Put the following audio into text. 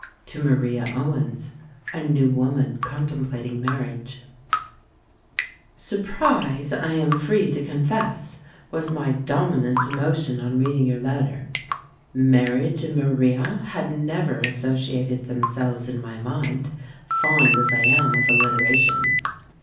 To Maria Owens A New Woman Contemplating Marriage Surprise, I am free to confess, was my dominant emotion on reading your letter. Marriage and Maria had never associated themselves in my mind, fond as I am of alliteration.